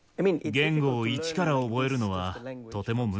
言語を一から覚えるのはとても難しい事です。